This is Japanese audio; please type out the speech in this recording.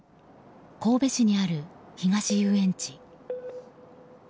神戸市にある東遊園地。